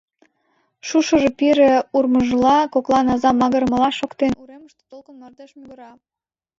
Шужышо пире урмыжмыла, коклан аза магырымыла шоктен, уремыште толкын мардеж мӱгыра.